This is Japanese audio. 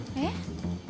えっ？